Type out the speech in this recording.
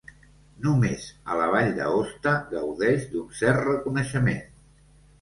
Només a la Vall d'Aosta gaudeix d'un cert reconeixement.